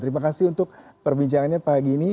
terima kasih untuk perbincangannya pagi ini